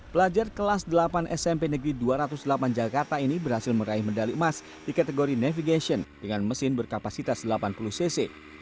pelajar kelas delapan smp negeri dua ratus delapan jakarta ini berhasil meraih medali emas di kategori navigation dengan mesin berkapasitas delapan puluh cc